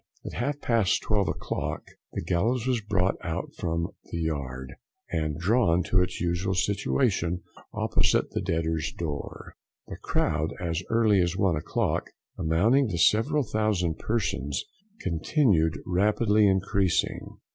At half past twelve o'clock the gallows was brought out from the yard, and drawn to its usual station opposite the Debtor's door. The crowd, as early as one o'clock amounting to several thousand persons, continued rapidly increasing.